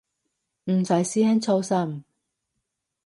唔使師兄操心